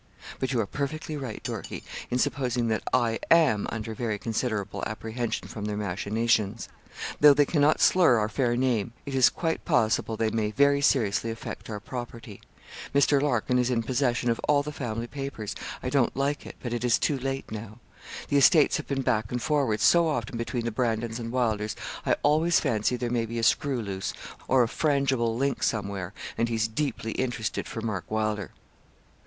'But you are perfectly right, Dorkie, in supposing that I am under very considerable apprehension from their machinations. Though they cannot slur our fair fame, it is quite possible they may very seriously affect our property. Mr. Larkin is in possession of all the family papers. I don't like it, but it is too late now. The estates have been back and forward so often between the Brandons and Wylders, I always fancy there may be a screw loose, or a frangible link somewhere, and he's deeply interested for Mark Wylder.'